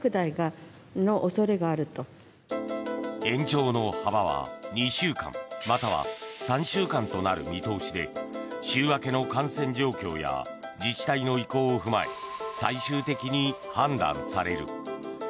延長の幅は２週間または３週間となる見通しで週明けの感染状況や自治体の意向を踏まえ最終的に判断される。